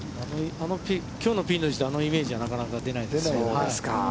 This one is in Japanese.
きょうのピンの位置であのイメージはなかなか出ないですよ。